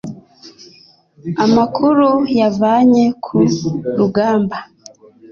Amakuru yavanye ku rugamba,